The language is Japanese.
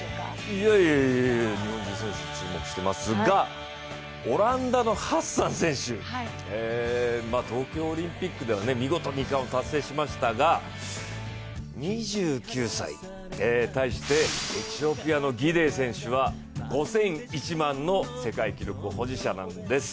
いやいや、日本人選手に注目していますが、オランダのハッサン選手、東京オリンピックでは見事２冠を達成しましたが、２９歳、対してエチオピアのギデイ選手は５０００、１００００の世界記録保持者なんです。